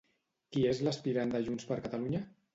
Qui és l'aspirant de JxCat?